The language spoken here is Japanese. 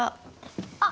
あっ！